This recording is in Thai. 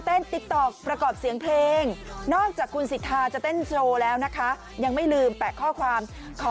ติ๊กต๊อกประกอบเสียงเพลงนอกจากคุณสิทธาจะเต้นโชว์แล้วนะคะยังไม่ลืมแปะข้อความขอ